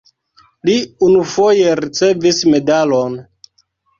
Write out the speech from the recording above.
Li unufoje ricevis medalon.